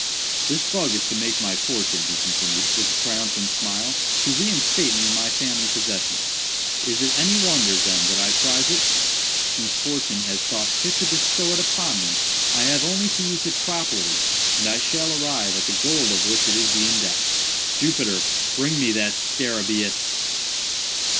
"This bug is to make my fortune," he continued, with a triumphant smile, "to reinstate me in my family possessions. Is it any wonder, then, that I prize it? Since Fortune has thought fit to bestow it upon me, I have only to use it properly and I shall arrive at the gold of which it is the index. Jupiter; bring me that _scarabæus!